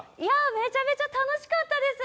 めちゃめちゃ楽しかったです！